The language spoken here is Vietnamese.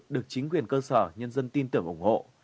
được chính quyền cơ sở nhân dân tin tưởng ủng hộ